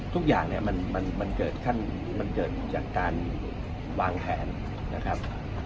ทุกอย่างเนี่ยมันเกิดจากการวางแผนนะครับ